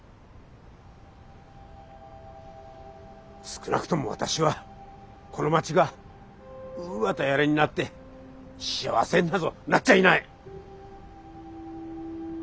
少なくとも私はこの街がウーアとやらになって幸せになぞなっちゃいない！